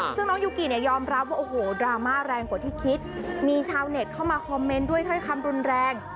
ซึ่งน้องยูกิเนี่ยยอมรับว่าโอ้โหดราม่าแรงกว่าที่คิดมีชาวเน็ตเข้ามาคอมเมนต์ด้วยถ้อยคำรุนแรง